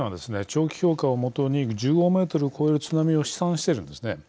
長期評価を基に１５ｍを超える津波を試算しているんですね。